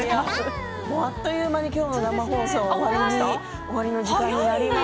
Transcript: あっという間に今日の生放送終わりの時間になります。